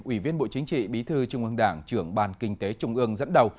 ủy viên bộ chính trị bí thư trung ương đảng trưởng bàn kinh tế trung ương dẫn đầu